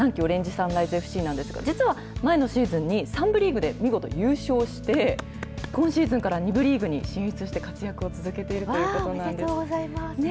サンライズＦＣなんですが、実は前のシーズンに３部リーグで見事優勝して、今シーズンから２部リーグに進出して活躍を続けているといおめでとうございます。